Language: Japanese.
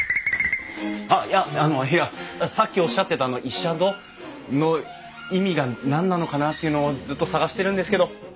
あっいやあのいやさっきおっしゃってたイシャド？の意味が何なのかなっていうのをずっと探してるんですけど。